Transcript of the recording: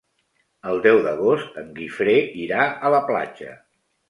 El deu d'agost en Guifré irà a la platja.